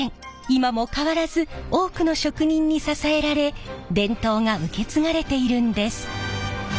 今も変わらず多くの職人に支えられ伝統が受け継がれているんです。